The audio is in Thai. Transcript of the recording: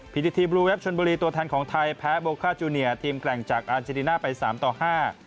พิธีทีบลูเวฟชนบุรีตัวแทนของไทยแพ้โบค่าจูเนียทีมแกร่งจากอาร์เจดีน่าไปสามต่อห้า